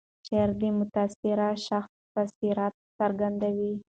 شعر د متاثر شخص تاثیرات څرګندوي.